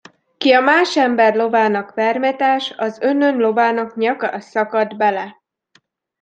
Ki a más ember lovának vermet ás, az önnön lovának nyaka szakad bele.